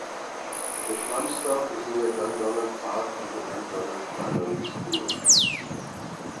The tram stop is near Dundonald Park and the Dundonald Primary School.